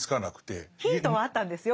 ヒントはあったんですよ